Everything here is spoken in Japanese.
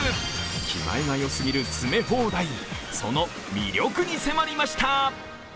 気前がよすぎる詰め放題その魅力に迫りました。